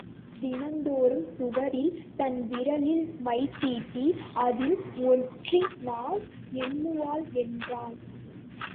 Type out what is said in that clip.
தினந்தோறும் சுவரில் தன் விரலில் மைதீட்டி அதில் ஒற்றி நாள் எண்ணுவாள் என்றான்.